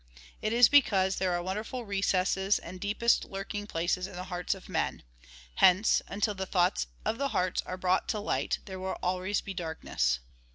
It is because there are wonderful recesses and deepest lurking places in the hearts of men. Hence, until the thoughts of the hearts are brought to light, there will always be darkness.